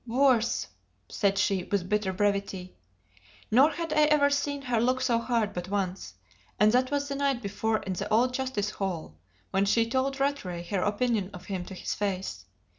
"Worse," said she, with bitter brevity. Nor had I ever seen her look so hard but once, and that was the night before in the old justice hall, when she told Rattray her opinion of him to his face.